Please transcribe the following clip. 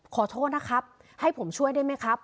ขอโทษนะครับให้ผมช่วยได้ไหมครับ